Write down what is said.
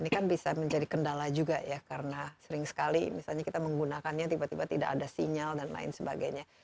ini kan bisa menjadi kendala juga ya karena sering sekali misalnya kita menggunakannya tiba tiba tidak ada sinyal dan lain sebagainya